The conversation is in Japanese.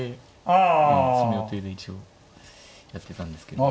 その予定で一応やってたんですけど。